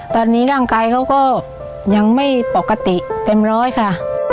ตอนนี้ร่างกายเขาก็ยังไม่ปกติเต็มร้อยค่ะ